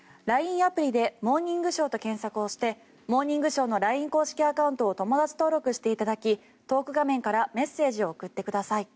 アプリで「モーニングショー」と検索をして「モーニングショー」のＬＩＮＥ公式アカウントを友だち登録していただきトーク画面からメッセージを送ってください。